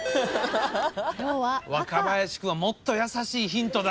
若林君はもっと優しいヒント出したぞ。